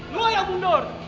lo yang mundur